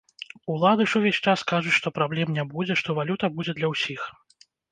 Улады ж увесь час кажуць, што праблем не будзе, што валюта будзе для усіх.